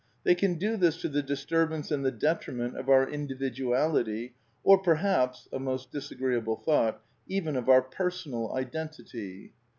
They can do this to the disturbance and the detriment of our Individuality, or perhaps (a most disagreeable thought) even of our Per sonal Identity.